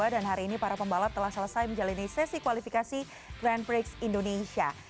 dan hari ini para pembalap telah selesai menjalani sesi kualifikasi grand prix indonesia